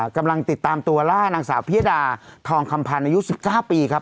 กำลังติดตามตัวล่านางสาวพิยดาทองคำพันธ์อายุ๑๙ปีครับ